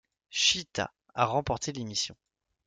Cheetah a remporté l'émission.